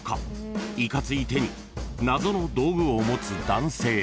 ［いかつい手に謎の道具を持つ男性］